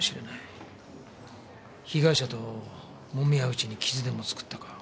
被害者ともみ合ううちに傷でも作ったか。